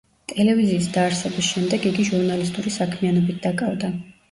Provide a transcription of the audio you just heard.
ტელევიზიის დაარსების შემდეგ იგი ჟურნალისტური საქმიანობით დაკავდა.